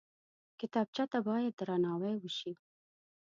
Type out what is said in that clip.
کتابچه ته باید درناوی وشي